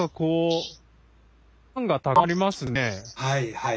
はい。